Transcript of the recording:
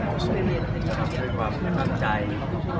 ก็ขอว่าเป็นเกิด